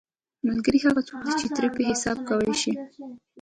ملګری هغه څوک دی چې ته پرې حساب کولی شې.